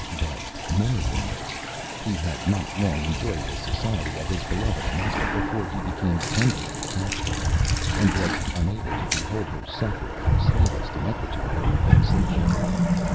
But more than this, he had not long enjoyed the society of his beloved Onesta, before he became tenderly attached to her, and was unable to behold her suffer the slightest inquietude or vexation.